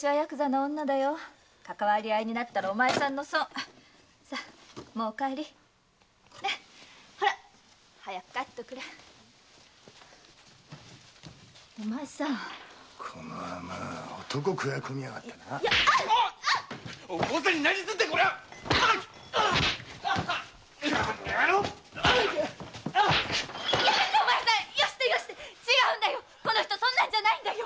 この人そんなんじゃないんだよ